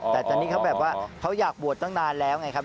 แต่ตอนนี้เขาแบบว่าเขาอยากบวชตั้งนานแล้วไงครับ